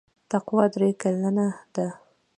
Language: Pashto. تقوا درې کلنه ده.